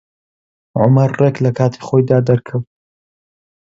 عومەر ڕێک لە کاتی خۆیدا دەرکەوت.